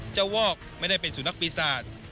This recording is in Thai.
เจ้าวอกไม่ได้เป็นสุนทรกปีศาจ